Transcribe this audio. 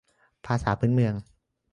ภาษาพื้นเมือง